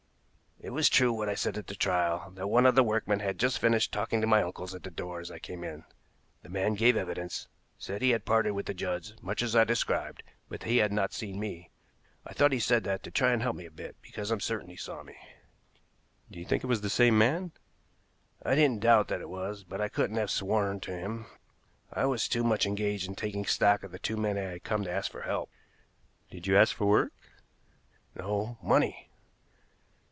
"It was true what I said at the trial, that one of the workmen had just finished talking to my uncles at the door as I came in. The man gave evidence, said he had parted with the Judds much as I described, but that he had not seen me. I thought he said that to try and help me a bit, because I'm certain he saw me." "Do you think it was the same man?" "I didn't doubt that it was, but I couldn't have sworn to him; I was too much engaged in taking stock of the two men I had come to ask for help." "Did you ask for work?" "No, money."